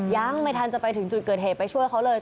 ยังไม่ทันจะไปถึงจุดเกิดเหตุไปช่วยเขาเลย